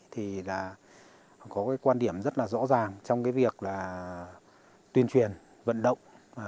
thì là có cái quan điểm rất là rõ ràng trong cái việc là tuyên truyền vận động